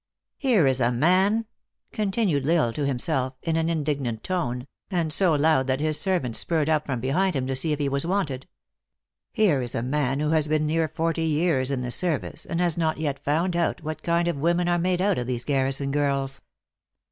" Here is a man," continued L Isle to himself, in an indignant tone, and so loud that his servant spurred up from behind him to see if he was wanted. " Here is a man who has been near forty years in the service, and has not yet found out w r hat kind of women are made out of these garrison girls.